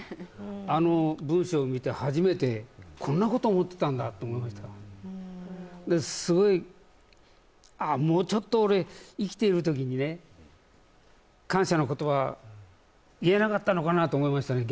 あの文章を見て初めてこんなこと思ってたんだと思いましたからすごいああもうちょっと俺生きてる時にね感謝の言葉言えなかったのかなと思いましたね